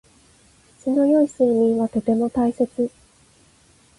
質の良い睡眠はとても大切。